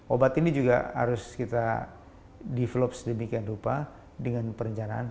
obat ini juga harus kita develop sedemikian rupa dengan perencanaan